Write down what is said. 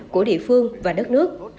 của địa phương và đất nước